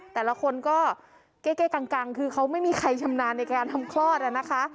แต่ละคนก็เก้กังคือเขาไม่มีใครชำนาญในการทำคลอดนะคะ